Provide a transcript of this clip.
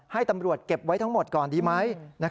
ให้ตำรวจเก็บไว้ทั้งหมดก่อนดีไหม